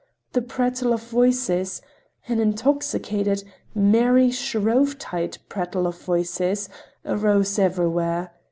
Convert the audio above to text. The prattle of voices—an intoxicated, merry Shrovetide prattle of voices arose everywhere.